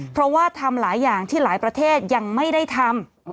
เพราะว่าทำหลายอย่างที่หลายประเทศยังไม่ได้ทำ